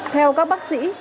theo các bác sĩ